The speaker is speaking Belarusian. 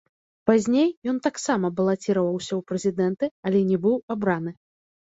Пазней ён таксама балаціраваўся ў прэзідэнты, але не быў абраны.